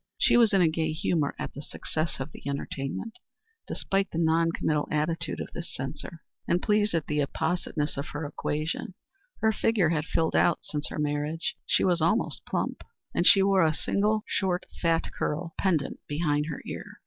She was in a gay humor at the success of the entertainment, despite the non committal attitude of this censor, and pleased at the appositeness of her quotation. Her figure had filled out since her marriage. She was almost plump and she wore a single short fat curl pendent behind her ear.